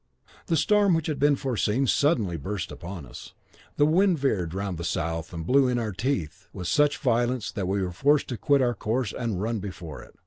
The storm which had been foreseen suddenly burst upon us. The wind veered round to the south and blew in our teeth with such violence that we were forced to quit our course and run before it.